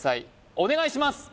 お願いします